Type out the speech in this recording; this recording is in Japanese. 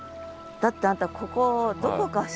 だってあんたここどこか知ってる？